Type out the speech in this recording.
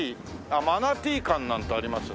あっマナティー館なんてありますね。